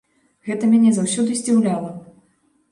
Гэта мяне заўсёды здзіўляла.